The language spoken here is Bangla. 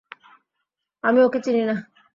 আমি ওকে চিনি না।